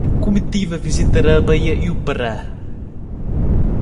A comitiva visitará a Bahia e o Pará